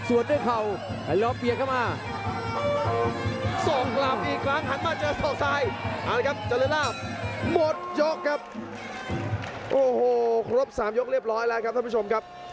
โอ้โหครบ๓ยกเรียบร้อยนะครับท่านผู้ชมครับ